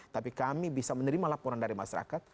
tapi kami bisa menerima laporan dari masyarakat